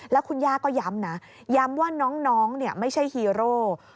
แล้วคุณย่าก็ย้ำนะย้ำว่าน้องไม่ใช่ฮีโร่